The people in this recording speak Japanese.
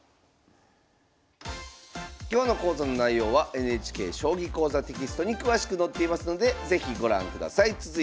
今日の講座の内容はＮＨＫ「将棋講座」テキストに詳しく載っていますので是非ご覧ください。